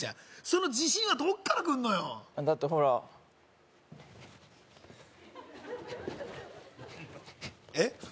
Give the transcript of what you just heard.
その自信はどっから来んのよだってほらえっ？